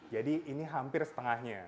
jadi ini hampir setengahnya